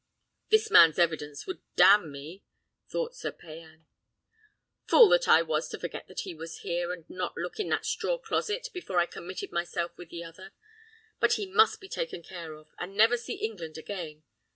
"This man's evidence would damn me," thought Sir Payan. "Fool that I was to forget that he was here, and not look in that straw closet, before I committed myself with the other! But he must be taken care of, and never see England again.